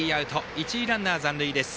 一塁ランナー、残塁です。